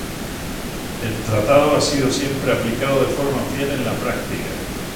El tratado ha sido siempre aplicado de forma fiel en la práctica.